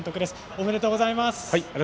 ありがとうございます。